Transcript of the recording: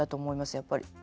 やっぱり。